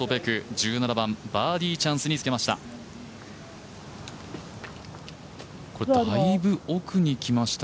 １７番、バーディーチャンスにつけました。